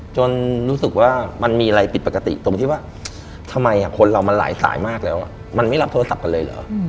จนรู้สึกว่ามันมีอะไรผิดปกติตรงที่ว่าทำไมคนเรามันหลายสายมากแล้วมันไม่รับโทรศัพท์กันเลยเหรอ